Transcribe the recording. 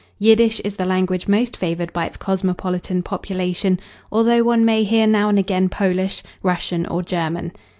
Yiddish is the language most favoured by its cosmopolitan population, although one may hear now and again Polish, Russian, or German.